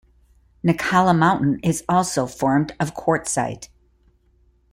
Knockalla Mountain is also formed of Quartzite.